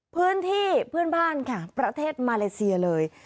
เพื่อนบ้านค่ะประเทศมาเลเซียเลย